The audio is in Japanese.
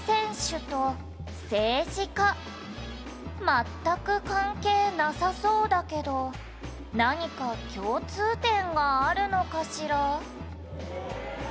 「全く関係なさそうだけど何か共通点があるのかしら？」